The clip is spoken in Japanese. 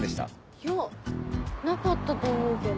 いやなかったと思うけど。